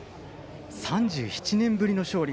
３７年ぶりの勝利。